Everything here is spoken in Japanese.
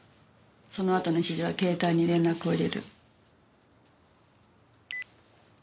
そのあとの指示は携帯に連絡を入れる。